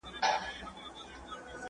متخصصین د نفوسو د ودي اغیزې څیړي.